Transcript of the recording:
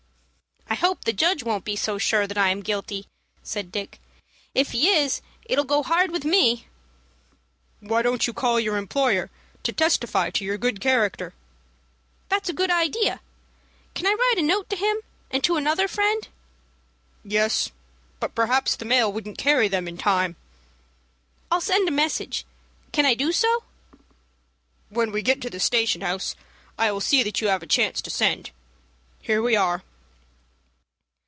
"I hope the judge won't be so sure that I am guilty," said Dick. "If he is, it'll go hard with me." "Why don't you call your employer to testify to your good character?" "That's a good idea. Can I write a note to him, and to another friend?" "Yes; but perhaps the mail wouldn't carry them in time." "I will send a messenger. Can I do so?" "When we get to the station house I will see that you have a chance to send. Here we are."